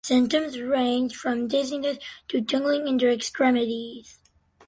Symptoms ranged from dizziness to tingling in their extremities.